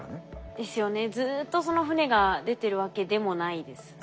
ですよねずっとその船が出てるわけでもないですもんね。